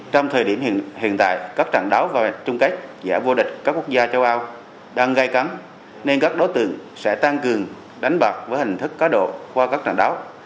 trong thời điểm hiện tại các trận đấu và trung kết giải vô địch các quốc gia châu âu đang gây cắn nên các đối tượng sẽ tăng cường đánh bạc với hình thức cáo độ qua các trận đấu